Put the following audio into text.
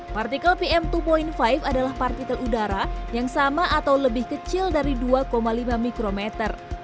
partikel pm dua lima adalah partikel udara yang sama atau lebih kecil dari dua lima mikrometer